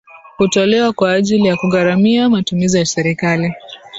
hutolewa kwa ajili ya kugharamia matumizi ya serikali